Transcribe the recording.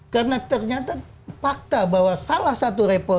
karena ternyata fakta bahwa salah satu reporter